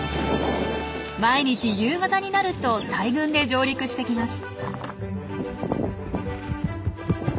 毎日夕方になると大群で上陸してきます。